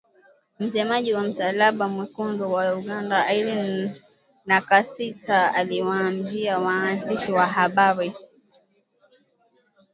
Msemaji wa Msalaba Mwekundu wa Uganda Irene Nakasita aliwaambia waandishi wa habari.